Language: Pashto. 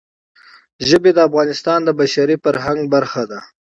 ژبې د افغانستان د بشري فرهنګ برخه ده.